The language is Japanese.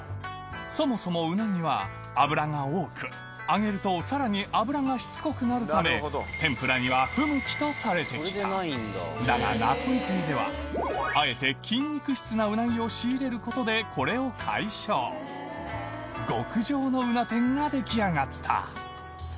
そもそもうなぎは脂が多く揚げるとさらに脂がしつこくなるため天ぷらには不向きとされてきただが名取亭ではあえて筋肉質なうなぎを仕入れることでこれを解消極上のうな天が出来上がった